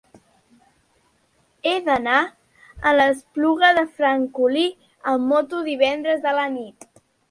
He d'anar a l'Espluga de Francolí amb moto divendres a la nit.